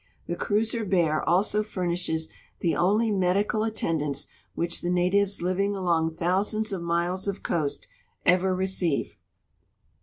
The cruiser Bear also furnishes the only medical attendance which the natives living along thousands of miles of coast ever receive.